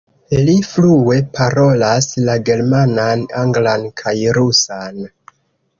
Li flue parolas la germanan, anglan kaj rusan.